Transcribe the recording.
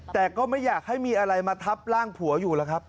แต่ก็ไม่อยากให้มีอะไรมาทับร่างผัวอยู่แล้วครับ